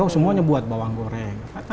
semuanya buat bawang goreng